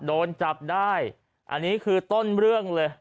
โดนจับได้อันนี้คือต้นเรื่องเลย